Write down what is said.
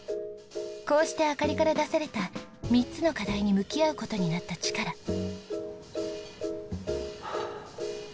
こうして灯から出された３つの課題に向き合う事になったチカラ。